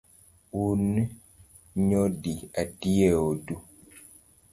Un nyodi adi e odu?